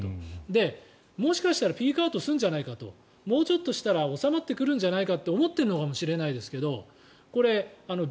で、もしかしたらピークアウトするんじゃないかともうちょっとしたら収まってくるんじゃないかと思っているかもしれないですけどこれ、ＢＡ．